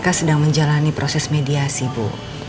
apakah sedang menjalani proses mediasi bu